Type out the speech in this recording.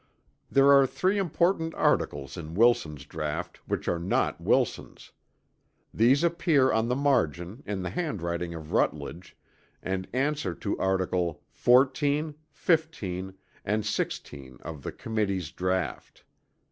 There are three important articles in Wilson's draught which are not Wilson's. These appear on the margin in the handwriting of Rutledge and answer to article XIV, XV and XVI of the Committee's draught.